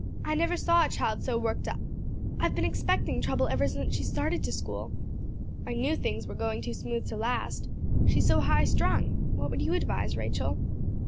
I never saw a child so worked up. I've been expecting trouble ever since she started to school. I knew things were going too smooth to last. She's so high strung. What would you advise, Rachel?"